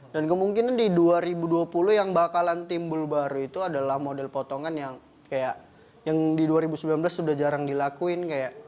dan kemungkinan di dua ribu dua puluh yang bakalan timbul baru itu adalah model potongan yang kayak yang di dua ribu sembilan belas sudah jarang dilakuin kayak